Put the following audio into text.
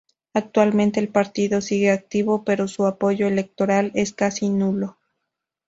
Actualmente el partido sigue activo pero su apoyo electoral es casi nulo.